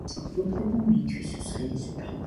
არავის აქვს უფლება მიითვისოს ხელისუფლება.